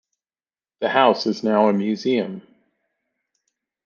The house is now a museum.